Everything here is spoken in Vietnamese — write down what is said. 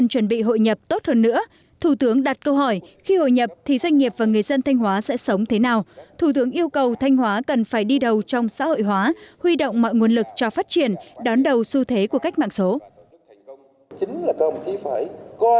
thủ tướng đặt câu hỏi khi hội nhập thì doanh nghiệp và người dân thanh hóa sẽ sống thế nào thủ tướng yêu cầu thanh hóa cần phải đi đầu trong xã hội hóa huy động mọi nguồn lực cho phát triển đón đầu xu thế của cách mạng số